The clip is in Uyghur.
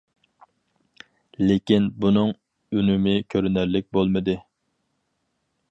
لېكىن، بۇنىڭ ئۈنۈمى كۆرۈنەرلىك بولمىدى.